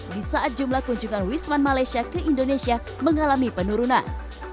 di saat jumlah kunjungan wisman malaysia ke indonesia mengalami penurunan